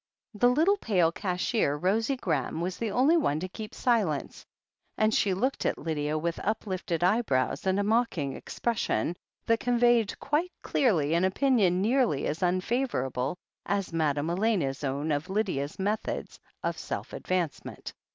The little pale cashier, Rosie Graham, was the only one to keep silence, and she looked at Lydia with up lifted eyebrows and a mocking expression, that con veyed quite clearly an opinion nearly as unfavourable as Madame Elena's own of Lydia's methods of self advancement.